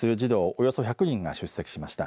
およそ１００人が出席しました。